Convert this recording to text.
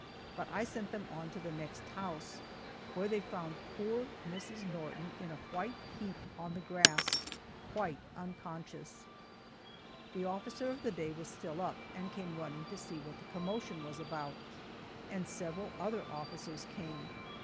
But I sent them on to the next house where they found poor Mrs. Norton in a white heap on the grass, quite unconscious. The officer of the day was still up and came running to see what the commotion was about and several other officers came.